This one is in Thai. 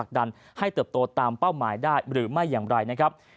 ขอบคุณครับ